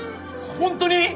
本当に！？